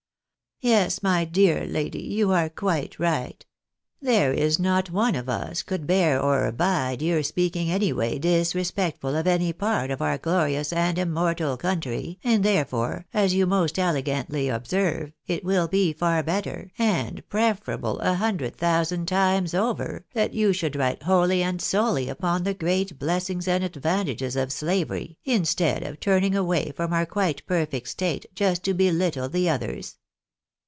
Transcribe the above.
Yes, my dear lady, you are quite right. There is not one of us could bear or abide your speaking any way disrespectful of any part of our glorious and immortal country, and therefore,'as you most elegantly observe, it will be far better, and preferable a hundred thousand times over, that jou should write wholly and solely upon the great blessings and advantages of slavery, instead of turning away from our quite perfect state, just to belittle the others.